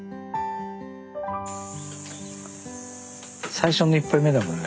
最初の１杯目だもんね。